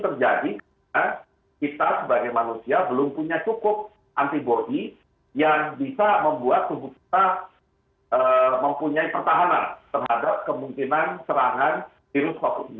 terjadi karena kita sebagai manusia belum punya cukup antibody yang bisa membuat tubuh kita mempunyai pertahanan terhadap kemungkinan serangan virus covid sembilan belas